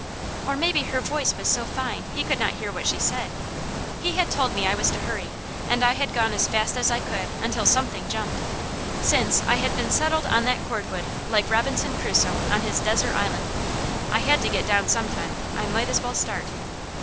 Or maybe her voice was so fine he could not hear what she said. He had told me I was to hurry, and I had gone as fast as I could until Something jumped; since, I had been settled on that cordwood like Robinson Crusoe on his desert island. I had to get down some time; I might as well start.